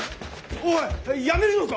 おい辞めるのか！？